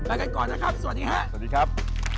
กันก่อนนะครับสวัสดีครับสวัสดีครับ